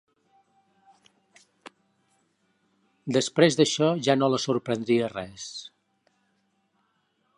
Després d'això ja no la sorprendria res!